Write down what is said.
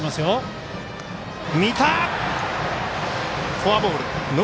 フォアボール。